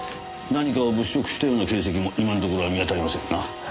何かを物色したような形跡も今のところは見当たりませんな。